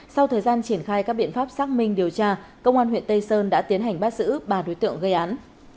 sau thời gian triển khai các biện pháp xác minh điều tra công an huyện tây sơn đã tiến hành bắt giữ ba đối tượng gây án